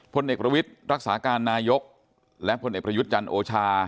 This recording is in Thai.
พลเอกประวิทย์รักษาการนายกและพลเอกประยุทธ์จันทร์โอชา